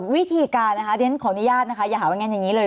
วิธีการดินขออนุญาตอย่าหาวังงานอย่างนี้เลย